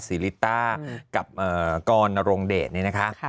ซีริต้ากับกรณ์โรงเดทเนี่ยนะคะ